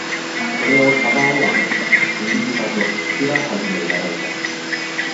それをかばおうとして、右ひざと、ふくらはぎをやられた。